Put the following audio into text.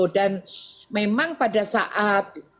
dan memang pada saat